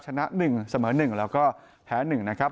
ชนะ๑เสมอ๑แล้วก็แพ้๑นะครับ